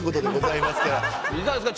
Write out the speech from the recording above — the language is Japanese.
いかがですか？